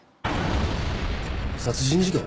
殺人事件？